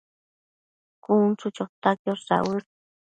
cun chu chota quiosh dauës